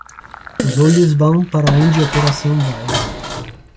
Os olhos vão para onde o coração vai.